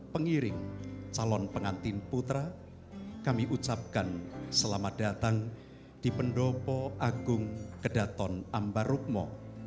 pengiring calon pengantin putra kami ucapkan selamat datang di pendopo agung kedaton ambarukmo